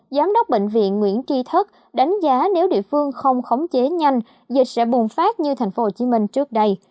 giám đốc bệnh viện nguyễn tri thức đánh giá nếu địa phương không khống chế nhanh dịch sẽ bùng phát như tp hcm trước đây